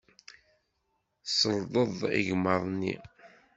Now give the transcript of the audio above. Tselḍeḍ igmaḍ-nni.